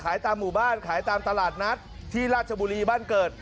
ตามหมู่บ้านขายตามตลาดนัดที่ราชบุรีบ้านเกิด